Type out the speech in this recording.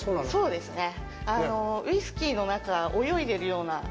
そうですね。